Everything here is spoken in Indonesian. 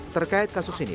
terkait kasus ini